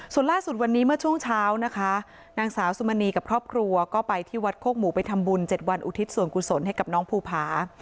ส่วนล่าสุดวันนี้เมื่อช่วงเช้านะคะนางสาวสุมณีกับครอบครัวก็ไปที่วัดโคกหมูไปทำบุญ๗วันอุทิศส่วนกุศลให้กับน้องภูผา